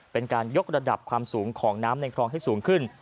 เป็นการยกระดับความสูงของน้ำในคลองให้สูงขึ้น